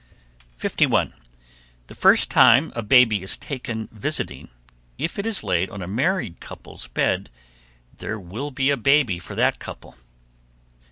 _ 51. The first time a baby is taken visiting, if it is laid on a married couple's bed there will be a baby for that couple.